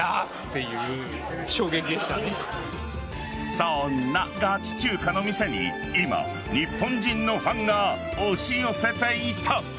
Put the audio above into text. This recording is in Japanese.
そんなガチ中華の店に今、日本人のファンが押し寄せていた。